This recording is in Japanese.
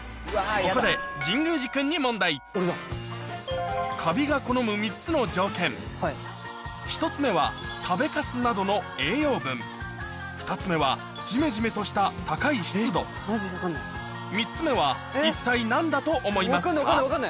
ここで神宮寺君に３つの１つ目は食べカスなどの栄養分２つ目はジメジメとした高い湿度３つ目は一体何だと思いますか？